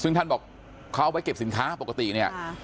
ซึ่งท่านบอกเขาเอาไว้เก็บสินค้าปกติเนี่ย